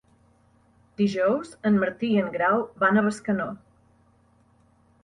Dijous en Martí i en Grau van a Bescanó.